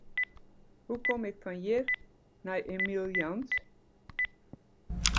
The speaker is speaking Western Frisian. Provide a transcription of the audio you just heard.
Hoe kom ik fan hjir nei Emiel Jans?